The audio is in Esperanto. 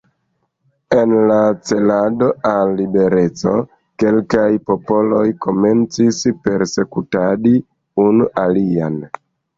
En la celado al libereco kelkaj popoloj komencis persekutadi unu alian.